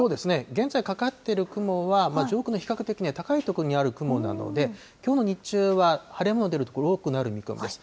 現在かかってる雲は上空の比較的高い所にある雲なので、きょうの日中は晴れ間も出る所も多くなる見込みです。